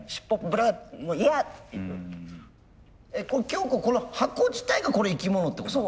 きょうここの箱自体がこれ生き物ってこと？